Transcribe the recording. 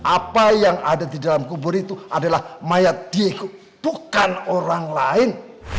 apa yang ada di dalam kubur itu adalah mayat diku bukan orang lain